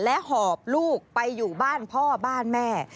หอบลูกไปอยู่บ้านพ่อบ้านแม่